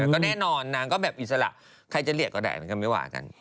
ก็แน่นอนนางก็แบบอิสระใครจะเรียกก็ได้มันก็ไม่ว่ากัน